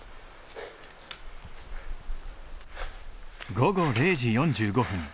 午後０時４５分